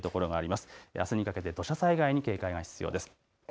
あすにかけ土砂災害に警戒が必要です。